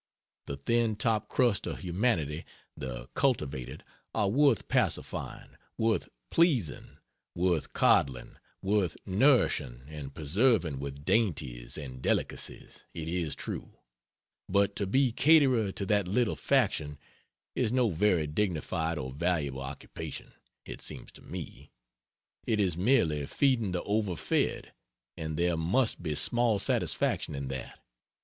The thin top crust of humanity the cultivated are worth pacifying, worth pleasing, worth coddling, worth nourishing and preserving with dainties and delicacies, it is true; but to be caterer to that little faction is no very dignified or valuable occupation, it seems to me; it is merely feeding the over fed, and there must be small satisfaction in that.